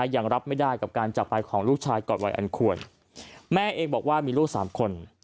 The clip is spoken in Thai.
ยังรับไม่ได้การการจับลายของลูกชายก่อนวัยอันควรแม่เอกบอกว่ามี๓ลูก